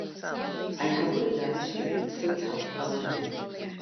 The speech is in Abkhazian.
Аиҳабыра даарышьҭит, срыцҳауп, амарџьа.